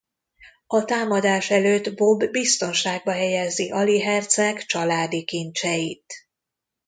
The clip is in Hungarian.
A támadás előtt Bob biztonságba helyezi Ali herceg családi kincseit.